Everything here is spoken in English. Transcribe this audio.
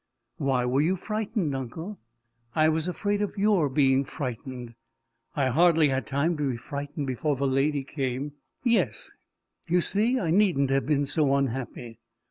"Why were you frightened, uncle?" "I was afraid of your being frightened." "I hardly had time to be frightened before the lady came." "Yes; you see I needn't have been so unhappy!"